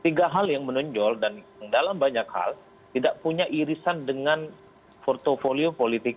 tiga hal yang menonjol dan dalam banyak hal tidak punya irisan dengan portfolio politik